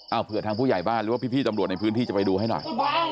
เอาเผื่อทางผู้ใหญ่บ้านหรือว่าพี่ตำรวจในพื้นที่จะไปดูให้หน่อย